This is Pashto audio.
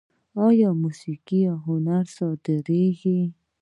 آیا موسیقي او هنر صادریږي؟